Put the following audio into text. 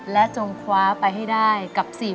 และจงคว้าไปให้ได้กับ๔๐